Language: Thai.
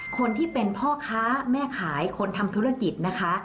คนที่เป็นพ่อค้าแม่ขายคนทำธุรกิจนะคะ